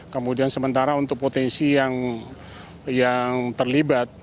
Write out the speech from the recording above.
kemudian sementara untuk potensi yang terlibat